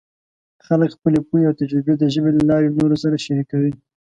خلک خپلې پوهې او تجربې د ژبې له لارې نورو سره شریکوي.